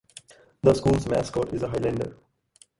The school's mascot is a Highlander.